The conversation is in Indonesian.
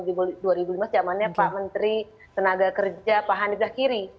zamannya pak menteri tenaga kerja pak hanif zahkiri